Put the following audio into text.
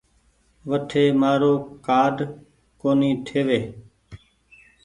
وٺي مآرو ڪآرڊ ڪونيٚ ٺيوي۔